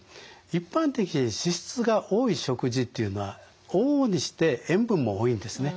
一般的に脂質が多い食事というのは往々にして塩分も多いんですね。